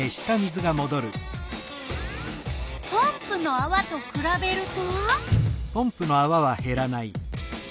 ポンプのあわとくらべると？